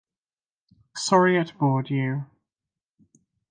Sorry it bored you.